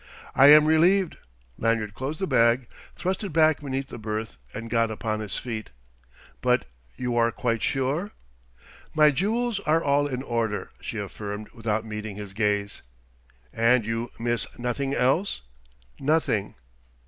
"I am relieved." Lanyard closed the bag, thrust it back beneath the berth, and got upon his feet. "But you are quite sure ?" "My jewels are all in order," she affirmed, without meeting his gaze. "And you miss nothing else?" "Nothing."